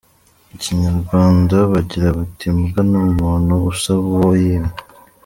Mu Kinyarwanda, bagira bati Imbwa n’umuntu usaba uwo yimye.